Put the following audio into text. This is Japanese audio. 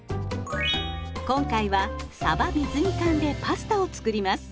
今回はさば水煮缶でパスタを作ります。